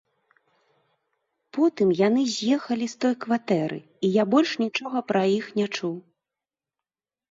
Потым яны з'ехалі з той кватэры, і я больш нічога пра іх не чуў.